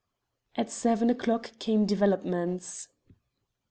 At seven o'clock came developments.